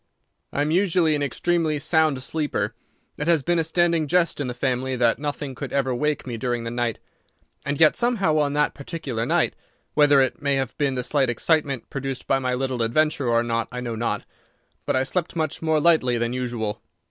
"I am usually an extremely sound sleeper. It has been a standing jest in the family that nothing could ever wake me during the night. And yet somehow on that particular night, whether it may have been the slight excitement produced by my little adventure or not I know not, but I slept much more lightly than usual.